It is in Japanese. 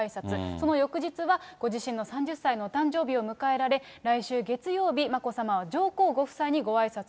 その翌日はご自身の３０歳のお誕生日を迎えられ、来週月曜日、眞子さまは上皇ご夫妻にごあいさつ。